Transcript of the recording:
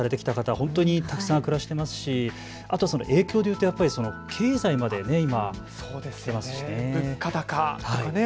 本当にたくさん暮らしていますし影響でいうと経済まで、今、出ますしね、物価高とかね。